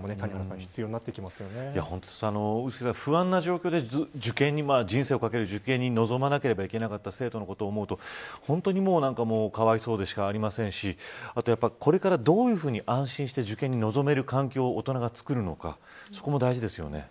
碓井さん、不安な状況で人生をかける受験に臨まなければいけなかった生徒のことを思うと本当にかわいそうでしかありませんしこれからどういうふうに安心して受験に臨める環境を大人がつくるのかそこも大事ですよね。